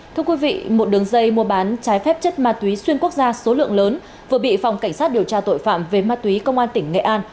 thưa quý vị một đường dây mua bán trái phép chất ma túy xuyên quốc gia số lượng lớn vừa bị phòng cảnh sát điều tra tội phạm về ma túy công an tỉnh nghệ an